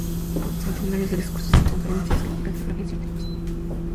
Y los centenares de discursos, conferencias, críticas, biografías, artículos.